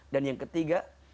dan yang ketiga